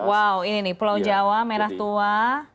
wow ini nih pulau jawa merah tua